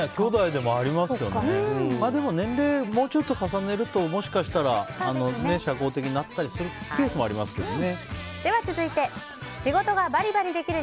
でも、年齢をもうちょっと重ねるともしかしたら社交的になったりするケースもありますけどね。